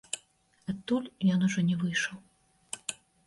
Адтуль ён ужо не выйшаў.